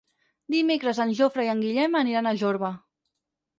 Dimecres en Jofre i en Guillem aniran a Jorba.